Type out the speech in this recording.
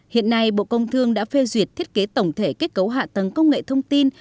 hiện nay bộ công thương đã phê duyệt thiết kế tổng thể kết cấu hạ tầng công nghệ thông tin